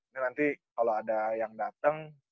nanti kalau ada yang dateng